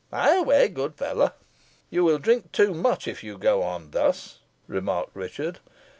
Hie away, good fellow!" "You will drink too much if you go on thus," remarked Richard.